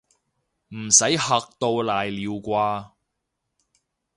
唔使嚇到瀨尿啩